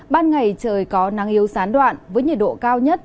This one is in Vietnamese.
ban ngày trời có nắng yếu gián đoạn với nhiệt độ cao nhất